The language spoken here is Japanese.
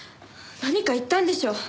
何か言ったんでしょ